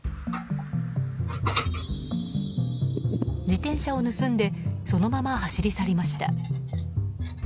自転車を盗んでそのまま走り去りました。